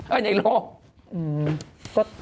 เอ้ยในโลก